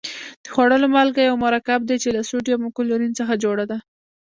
د خوړلو مالګه یو مرکب دی چې له سوډیم او کلورین څخه جوړه ده.